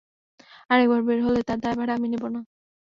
আরেকবার বের হলে তার দায়ভার আমি নেবো না।